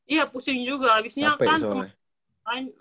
iya pusing juga abis itu yang kan